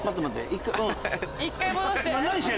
一回戻して。